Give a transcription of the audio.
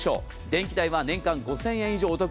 電気代は年間５０００円以上お得。